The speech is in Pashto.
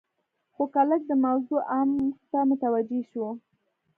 خو که لږ د موضوع عمق ته متوجې شو.